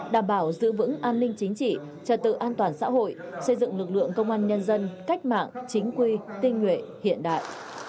đảm bảo giữ vững an ninh chính trị trật tự an toàn xã hội xây dựng lực lượng công an nhân dân cách mạng chính quy tinh nguyện hiện đại